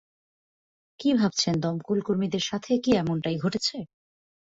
কি ভাবছেন দমকল কর্মীদের সাথে কি এমনটাই ঘটেছে?